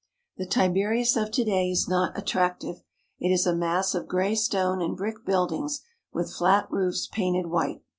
The Tiberias of to day is not attractive. It is a mass of gray stone and brick buildings, with flat roofs painted white.